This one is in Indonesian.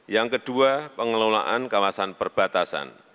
yang kedua pengelolaan kawasan perbatasan